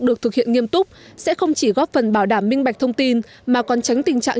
được thực hiện nghiêm túc sẽ không chỉ góp phần bảo đảm minh bạch thông tin mà còn tránh tình trạng